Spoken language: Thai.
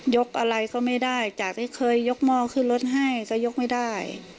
กอะไรก็ไม่ได้จากที่เคยยกหม้อขึ้นรถให้ก็ยกไม่ได้